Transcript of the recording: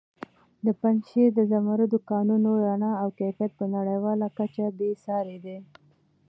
د پنجشېر د زمردو کانونو رڼا او کیفیت په نړیواله کچه بې ساري دی.